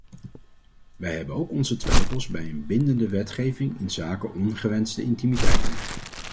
Wij hebben ook onze twijfels bij een bindende wetgeving inzake ongewenste intimiteiten.